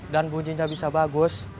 dan bunyinya bisa bagus